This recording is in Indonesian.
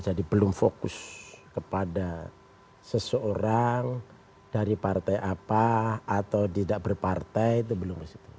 jadi belum fokus kepada seseorang dari partai apa atau tidak berpartai itu belum disitu